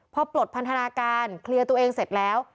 พอปลดพันธนาการเคลียร์ตัวเองเสร็จแล้ว